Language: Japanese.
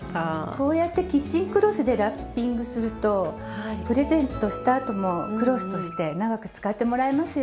こうやってキッチンクロスでラッピングするとプレゼントしたあともクロスとして長く使ってもらえますよね。